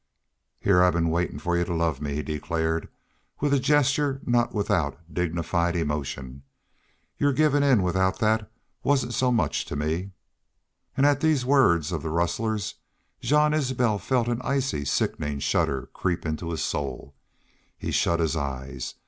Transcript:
"Heah I've been waitin' for y'u to love me," he declared, with a gesture not without dignified emotion. "Your givin' in without that wasn't so much to me." And at these words of the rustler's Jean Isbel felt an icy, sickening shudder creep into his soul. He shut his eyes.